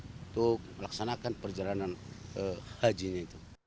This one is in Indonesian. untuk melaksanakan perjalanan haji ini